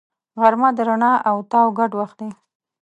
غرمه د رڼا او تاو ګډ وخت دی